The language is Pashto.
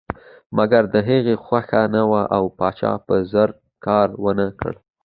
مګر د هغې خوښه نه وه او پاچا په زور کار ونه کړ.